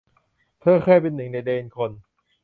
เธอเคยเป็นหนึ่งในเดนคน